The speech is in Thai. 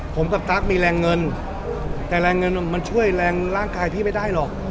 ผมกับตั๊กมีแรงเงินแต่แรงเงินมันช่วยแรงร่างกายพี่ไม่ได้หรอก